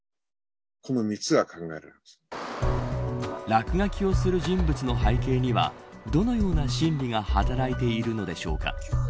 落書きをする人物の背景にはどのような心理が働いているのでしょうか。